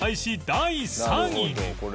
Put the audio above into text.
第３位に